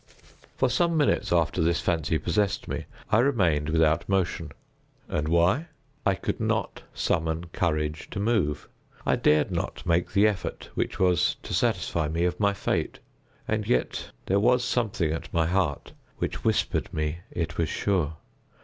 For some minutes after this fancy possessed me, I remained without motion. And why? I could not summon courage to move. I dared not make the effort which was to satisfy me of my fate—and yet there was something at my heart which whispered me it was sure.